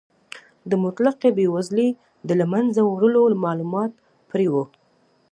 د مطلقې بې وزلۍ د له منځه وړلو مالومات پرې و.